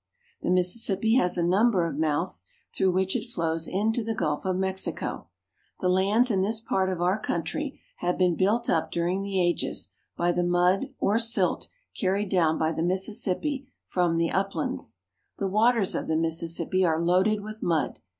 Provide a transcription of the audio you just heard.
The Mississippi has a number of mouths through which it flows into the Gulf of Mexico. The lands in this part of our country have been built up during the ages by the mud or silt carried down by the Mississippi from the uplands. The waters of the Mississippi are loaded with mud.